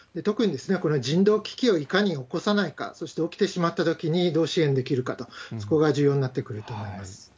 特にこれは人道危機をいかに起こさないか、そして起きてしまったときにどう支援できるかと、そこが重要になってくると思います。